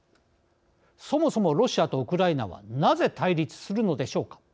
そもそも、ロシアとウクライナはなぜ対立するのでしょうか。